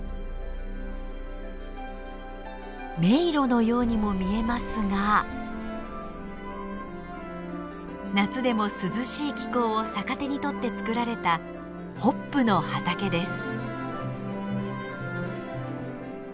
迷路のようにも見えますが夏でも涼しい気候を逆手に取って作られたホップの畑です。